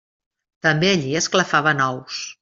També allí esclafaven ous.